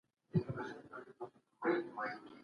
احمد شاه بابا ولي هند ته سفرونه وکړل؟